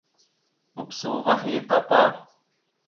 Maɓəsa uvah ya tapa.